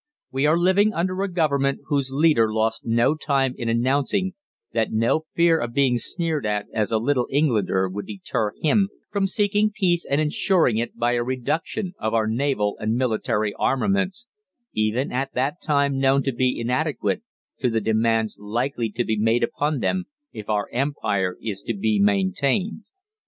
We are living under a Government whose leader lost no time in announcing that no fear of being sneered at as a 'Little Englander' would deter him from seeking peace and ensuring it by a reduction of our naval and military armaments, even at that time known to be inadequate to the demands likely to be made upon them if our Empire is to be maintained.